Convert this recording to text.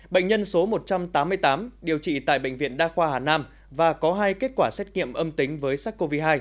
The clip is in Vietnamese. bệnh nhân số một trăm tám mươi tám điều trị tại bệnh viện đa khoa hà nam và có hai kết quả xét nghiệm âm tính với sars cov hai